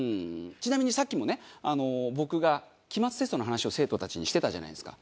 ちなみにさっきもね僕が期末テストの話を生徒たちにしてたじゃないですか。